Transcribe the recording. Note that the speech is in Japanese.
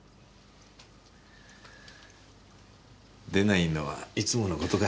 出ないのはいつもの事か。